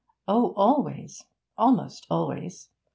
'Oh, always! almost always!